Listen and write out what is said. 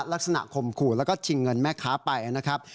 ลักษณะข่มขู่แล้วก็ชิงเงินแม่ขาไปนะครับ